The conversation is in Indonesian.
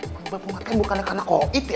penyebab kematian bukan karena covid ya